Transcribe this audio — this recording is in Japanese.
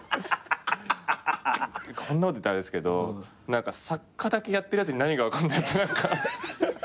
こんなこと言ったらあれですけど作家だけやってるやつに何が分かるんだよって。